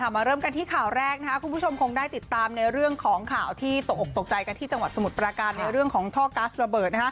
มาเริ่มกันที่ข่าวแรกคุณผู้ชมคงได้ติดตามในเรื่องของข่าวที่ตกออกตกใจกันที่จังหวัดสมุทรประการในเรื่องของท่อก๊าซระเบิด